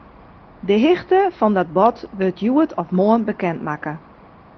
De hichte fan dat bod wurdt hjoed of moarn bekendmakke.